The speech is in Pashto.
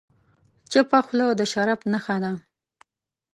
چپه خوله، د شرف نښه ده.